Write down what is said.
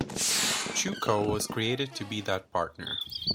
Chewco was created to be that partner.